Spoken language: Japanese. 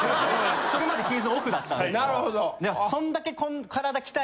それまでシーズンオフだったんで。